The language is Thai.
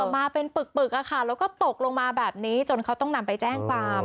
มาเป็นปลึกเพื่อตกลงมาจนเขาต้องนำไปแจ้งความ